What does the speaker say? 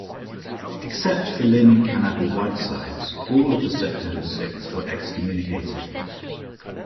Except for Lynne Kanavel Whitesides, all of the September Six were excommunicated.